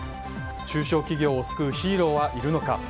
中小企業を救うヒーローはいるのか？